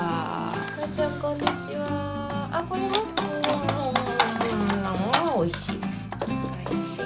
あおいしい。